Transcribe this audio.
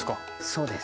そうです。